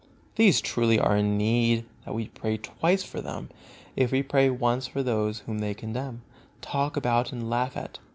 These truly are in need that we pray twice for them, if we pray once for those whom they condemn, talk about and laugh at.